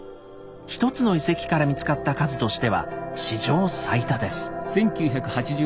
１つの遺跡から見つかった数としては史上最多です。